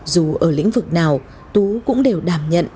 dù ở lĩnh vực nào tú cũng đều đảm nhận